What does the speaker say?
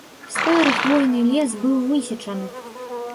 Стары хвойны лес быў высечаны.